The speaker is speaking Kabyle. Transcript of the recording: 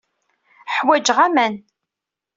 Ḥwajeɣ aman.